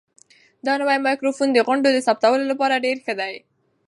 دا نوی مایکروفون د غونډو د ثبتولو لپاره ډېر ښه دی.